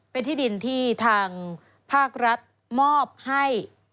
เป็นที่ดินที่ทางภาครัฐมอบให้